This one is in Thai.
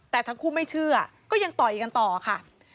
แต่ทั้งคู่ไม่เชื่อก็ยังต่อยกันต่อค่ะ